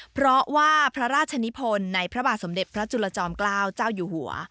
เพราะว่าพระราชนิพลในพระบาทสมเด็จพระจุลจอมเกล้าเจ้าอยู่หัว